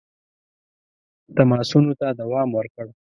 تماسونو ته دوام ورکړ.